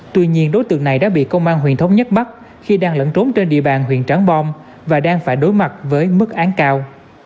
tuy nhiên đối tượng này đã bị công an huyện thống nhất bắt khi đang lẫn trốn trên địa bàn huyện trắng bom và đang phải đối mặt với mức án cao